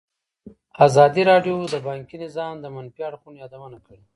ازادي راډیو د بانکي نظام د منفي اړخونو یادونه کړې.